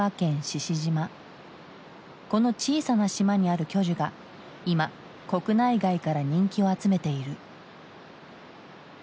この小さな島にある巨樹が今国内外から人気を集めている。